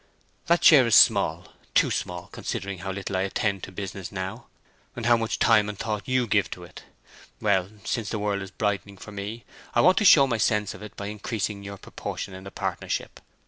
That share is small, too small, considering how little I attend to business now, and how much time and thought you give to it. Well, since the world is brightening for me, I want to show my sense of it by increasing your proportion in the partnership.